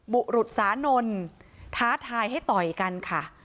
บุรุษสานนท์ท้าทายให้ต่อยกันค่ะ